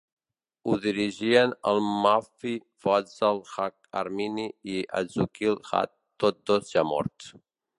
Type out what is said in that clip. Ho dirigien el Mufti Fazlul Huq Amini i Azizul Haq, tots dos ja morts.